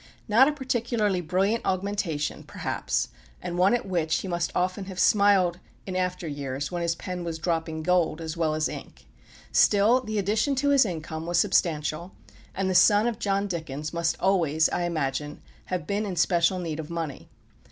Not a particularly brilliant augmentation, perhaps, and one at which he must often have smiled in after years, when his pen was dropping gold as well as ink. Still, the addition to his income was substantial, and the son of John Dickens must always, I imagine, have been in special need of money.